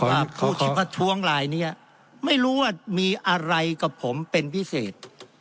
ผู้ที่ประท้วงลายนี้ไม่รู้ว่ามีอะไรกับผมเป็นพิเศษ